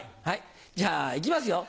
じゃあいきますよ。